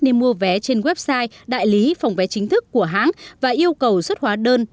nên mua vé trên website đại lý phòng vé chính thức của hãng và yêu cầu xuất hóa đơn